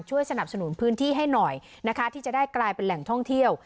สนับสนุนพื้นที่ให้หน่อยนะคะที่จะได้กลายเป็นแหล่งท่องเที่ยว